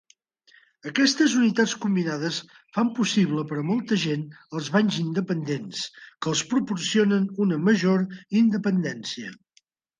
Aquestes unitats combinades fan possible per a molta gent els banys independents, que els proporcionen una major independència.